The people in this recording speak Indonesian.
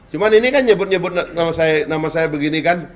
cuma ini kan nyebut nyebut nama saya begini kan